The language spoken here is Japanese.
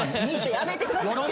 やめてください。